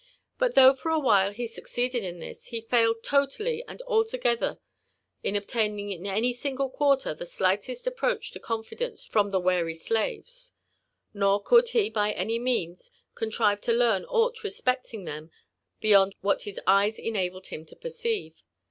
But though for a while he succeeded in this, he failed totally and altogether io obtaining in any single quarter the slightest approacli to confidence frem the wary riaves; nor could he by any means contrive to learn aught respecting them beyond what his eyes enabled him to perceive.